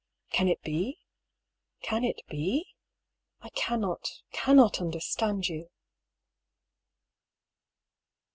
Can it be? Can it be? I cannot, cannot understand you.